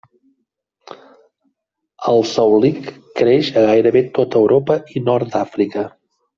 El saulic creix a gairebé tota Europa i nord d'Àfrica.